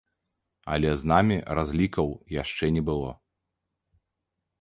Але з намі разлікаў яшчэ не было.